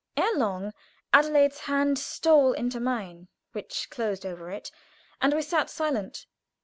Ere long Adelaide's hand stole into mine, which closed over it, and we sat silent.